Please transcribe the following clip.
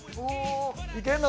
いけるの？